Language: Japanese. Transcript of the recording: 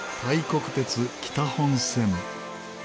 国鉄北本線。